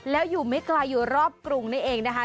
แล้วอยู่ไม่ไกลอยู่รอบกรุงนี่เองนะคะ